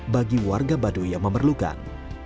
bagi warga baduy yang memerlukan